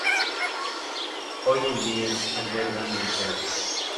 Hoy en día alberga un museo.